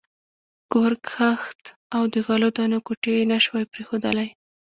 کور، کښت او د غلو دانو کوټې یې نه شوای پرېښودلای.